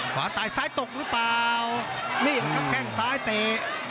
ขวาตายซ้ายตกหรือเปล่านี่แหละครับแข้งซ้ายเตะ